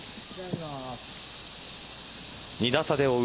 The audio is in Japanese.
２打差で追う